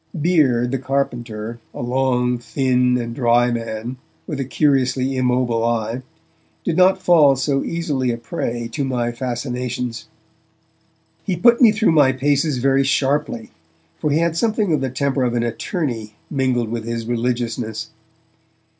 Bere, the carpenter, a long, thin and dry man, with a curiously immobile eye, did not fall so easily a prey to my fascinations. He put me through my paces very sharply, for he had something of the temper of an attorney mingled with his religiousness.